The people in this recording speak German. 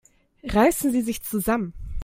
Reißen Sie sich zusammen!